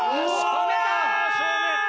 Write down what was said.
止めたー！